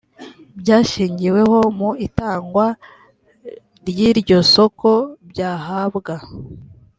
byashingiweho mu itangwa ry iryo soko byahabwa